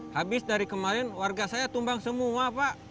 habis dari kemarin warga saya tumbang semua pak